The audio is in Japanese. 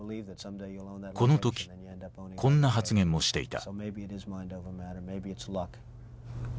この時こんな発言もしていた。